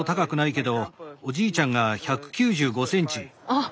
あっ。